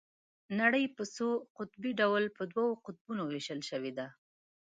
نړۍ په څو قطبي ډول په دوو قطبونو ويشل شوې ده.